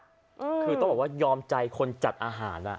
คือต้องบอกว่ายอมใจคนจัดอาหาร